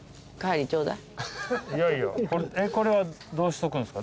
これはどうしとくんすか？